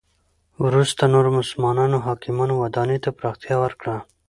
وروسته نورو مسلمانو حاکمانو ودانی ته پراختیا ورکړه.